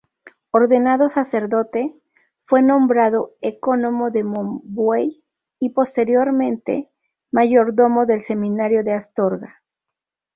Ordenado sacerdote, fue nombrado ecónomo de Mombuey y, posteriormente, Mayordomo del seminario de Astorga.